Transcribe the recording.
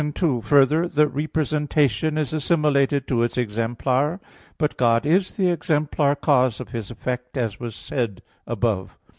2: Further, the representation is assimilated to its exemplar. But God is the exemplar cause of His effect, as was said above (Q.